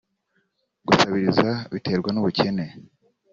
Gusabiriza biterwa n’ ubukene